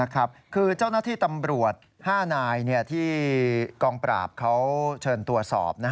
คือเจ้าหน้าที่ตำรวจ๕นายที่กองปราบเขาเชิญตรวจสอบ